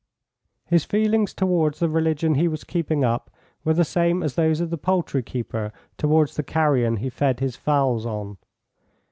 His feelings towards the religion he was keeping up were the same as those of the poultry keeper towards the carrion he fed his fowls on.